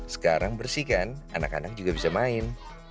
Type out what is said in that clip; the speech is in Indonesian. sekarang bersihkan anak anak juga bisa main